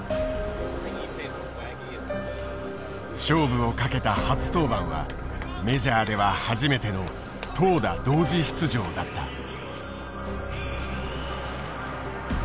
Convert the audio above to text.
勝負をかけた初登板はメジャーでは初めての投打同時出場だった。